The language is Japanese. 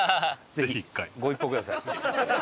ぜひご一報ください！